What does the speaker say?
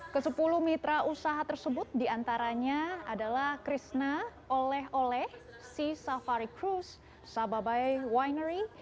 kesepuluh mitra usaha tersebut diantaranya adalah krishna oleh oleh sea safari cruise sababai winery